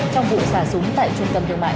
trong vụ xả súng tại trung tâm thương mại